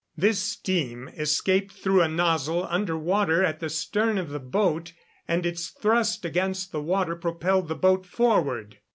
This steam escaped through a nozzle under water at the stern of the boat, and its thrust against the water propelled the boat forward.